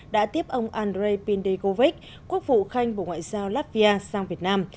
đã tiếp ông andrei pindeovich quốc vụ khanh bộ ngoại giao latvia sang việt nam